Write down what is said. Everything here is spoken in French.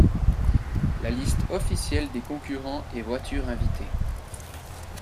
La liste officielle des concurrents et voitures invités.